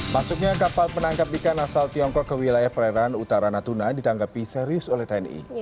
masuknya kapal penangkap ikan asal tiongkok ke wilayah perairan utara natuna ditanggapi serius oleh tni